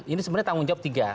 ini sebenarnya tanggung jawab tiga